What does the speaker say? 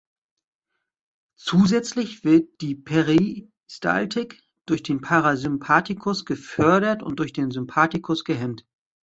Zusätzlich wird die Peristaltik durch den Parasympathikus gefördert und durch den Sympathikus gehemmt.